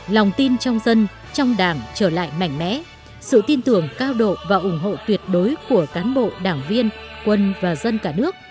lòng tin trong dân trong đảng trở lại mạnh mẽ sự tin tưởng cao độ và ủng hộ tuyệt đối của cán bộ đảng viên quân và dân cả nước